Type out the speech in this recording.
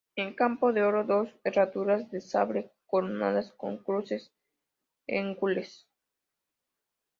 En campo de oro, dos herraduras de sable coronadas con cruces en gules.